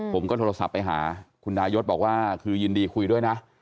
ผมก็โทรศัพท์ไปหาคุณดายศบอกว่าคือยินดีคุยด้วยนะ